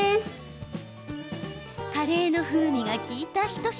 カレーの風味が利いた一品。